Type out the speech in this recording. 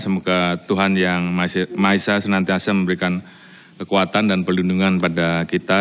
semoga tuhan yang maha esa senantiasa memberikan kekuatan dan perlindungan pada kita